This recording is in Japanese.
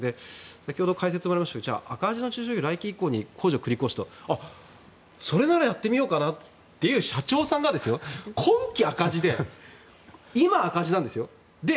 先ほど解説もありましたけど赤字の中小企業は来年以降に繰り越しといってそれならやってみようかなという社長さんが今期赤字、今、赤字なんですよ。